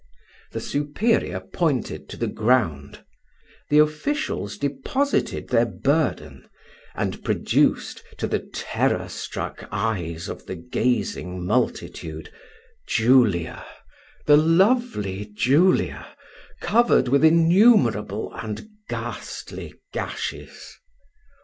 The superior pointed to the ground: the officials deposited their burden, and produced, to the terror struck eyes of the gazing multitude, Julia, the lovely Julia, covered with innumerable and ghastly gashes.